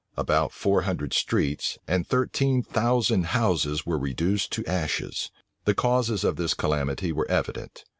About four hundred streets and thirteen thousand houses were reduced to ashes. The causes of this calamity were evident.